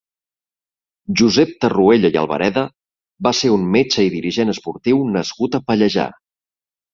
Josep Tarruella i Albareda va ser un metge i dirigent esportiu nascut a Pallejà.